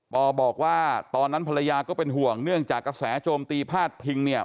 อบอกว่าตอนนั้นภรรยาก็เป็นห่วงเนื่องจากกระแสโจมตีพาดพิงเนี่ย